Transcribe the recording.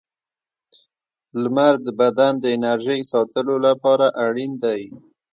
• لمر د بدن د انرژۍ ساتلو لپاره اړین دی.